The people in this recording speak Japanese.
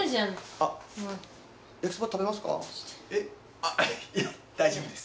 あっいや大丈夫です。